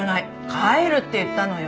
帰る」って言ったのよ。